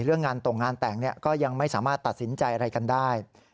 เรื่องงานตรงงานแต่งก็ยังไม่สามารถตัดสินใจอะไรกันได้